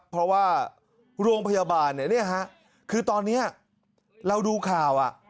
เพราะว่าโรงพยาบาลเนี่ยฮะคือตอนนี้เราดูข่าว